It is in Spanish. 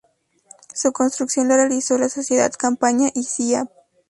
Su construcción la realizó la Sociedad Campaña y Cia.